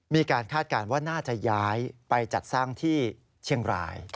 คาดการณ์ว่าน่าจะย้ายไปจัดสร้างที่เชียงราย